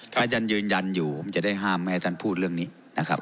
ถ้าท่านยืนยันอยู่ผมจะได้ห้ามไม่ให้ท่านพูดเรื่องนี้นะครับ